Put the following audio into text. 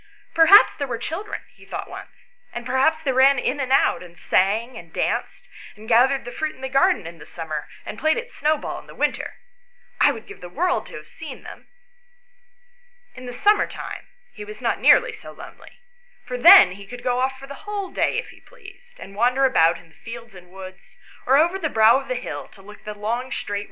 " Perhaps there were children/ 7 he thought once, "and perhaps they ran in and out, and sang, and danced, and gathered the fruit in the garden in the summer, and played at snowball in the winter. I would give the world to have seen them." In the summer time he was not nearly so lonely, for then he could go off for the whole day if he pleased, and wander about in the fields and woods, or over the brow of the hill to look at the long straight A LITTLE GROUP OF CHILDREN ROUND THE DOOR OF THE FORGE. P. 10$. XL] THE STORY OF WILLIE AND FANCY.